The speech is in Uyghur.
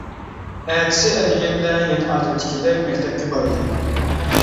ئەتىسى ئەتىگەندە يەنە ئادەتتىكىدەك مەكتەپكە باردىم.